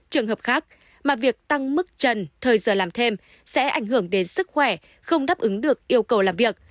trường hợp khác mà việc tăng mức trần thời giờ làm thêm sẽ ảnh hưởng đến sức khỏe không đáp ứng được yêu cầu làm việc